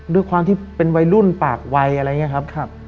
ด้วยความที่เป็นวัยรุ่นปากวัยอะไรอย่างนี้ครับ